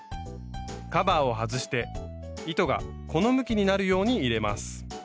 カバーを外して糸がこの向きになるように入れます。